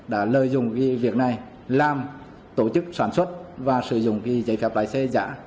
đã lợi dụng việc này làm tổ chức sản xuất và sử dụng giấy phép lái xe giả